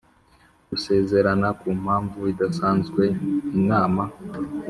gusezerana Ku mpamvu idasanzwe Inama